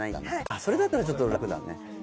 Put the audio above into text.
それだったらちょっと楽だね。